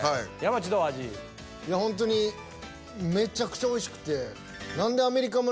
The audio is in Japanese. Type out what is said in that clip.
ほんとにめちゃくちゃおいしくて。